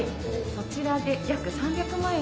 そちらで約３００万円。